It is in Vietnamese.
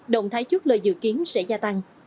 động thái trước lời dự kiến sẽ gia tăng